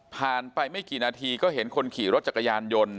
ไปไม่กี่นาทีก็เห็นคนขี่รถจักรยานยนต์